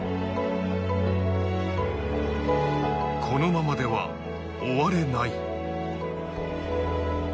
このままでは終われない。